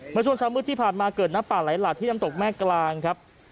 เมื่อช่วงเช้ามืดที่ผ่านมาเกิดน้ำป่าไหลหลากที่น้ำตกแม่กลางครับ